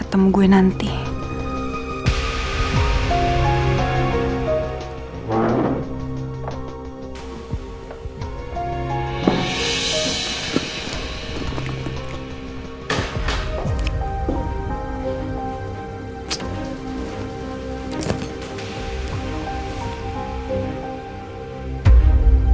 orang yang sudah waspada